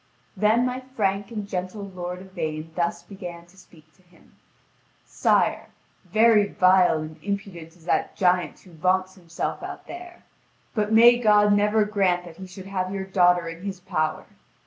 Then my frank and gentle lord Yvain thus began to speak to him: "Sire, very vile and impudent is that giant who vaunts himself out there. But may God never grant that he should have your daughter in his power!